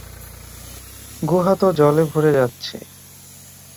গুহা তো জলে ভরে যাচ্ছে।